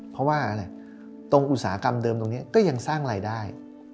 เพราะว่าอะไรตรงอุตสาหกรรมเดิมตรงนี้ก็ยังสร้างรายได้